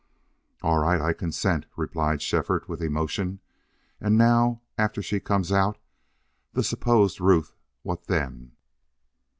"All right; I consent," replied Shefford, with emotion. "And now after she comes out the supposed Ruth what then?"